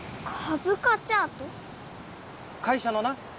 会社のな